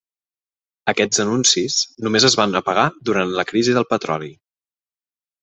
Aquests anuncis només es van apagar durant la crisi del petroli.